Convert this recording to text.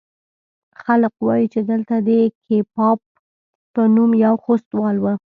خلق وايي چې دلته د کيپات په نوم يو خوستوال و.